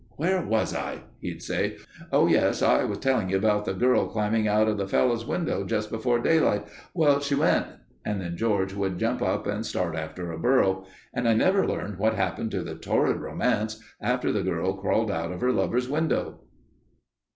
"Where was I?" he'd say. "Oh, yes, I was telling you about the girl climbing out of the fellow's window just before daylight. Well, she went—" Then George would jump up and start for a burro, and I never learned what happened to the torrid romance after the girl crawled out of her lover's window.